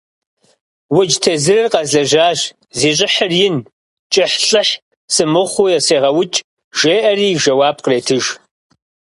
- УкӀ тезырыр къэзлэжьащ, зи щӀыхьыр ин, кӀыхь–лӏыхь сымыхъуу сегъэукӀ, – жеӀэри жэуап къретыж.